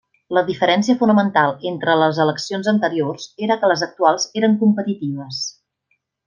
La diferència fonamental entre les eleccions anteriors era que les actuals eren competitives.